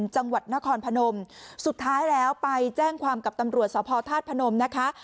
จังหวัดนครพนมสุดท้ายแล้วไปแจ้งความกับตำรวจสภธาตุพนมนะคะ